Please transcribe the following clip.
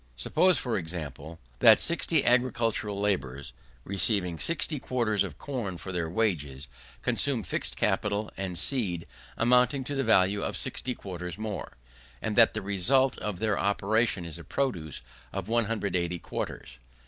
Suppose, for example, that 60 agricultural labourers, receiving 60 quarters of corn for their wages, consume fixed capital and seed amounting to the value of 60 quarters more, and that the result of their operations is a produce of 180 quarters.